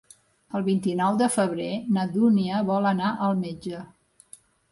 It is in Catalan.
El vint-i-nou de febrer na Dúnia vol anar al metge.